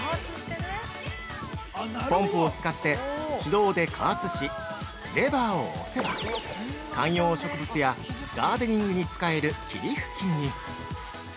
ポンプを使って手動で加圧しレバーを押せば観葉植物やガーデニングに使える霧吹きに。